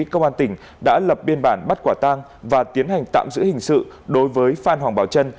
công an tỉnh đã lập biên bản bắt quả tang và tiến hành tạm giữ hình sự đối với phan hoàng bảo trân